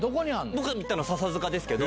僕が行ったの、笹塚ですけど。